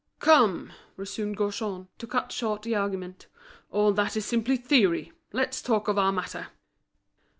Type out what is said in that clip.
"Come," resumed Gaujean, to cut short the argument, "all that is simply theory. Let's talk of our matter."